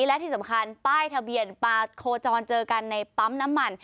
และที่สำคัญป้ายทะเบียนปลาโคจรเจอกันในปั๊มน้ำมัน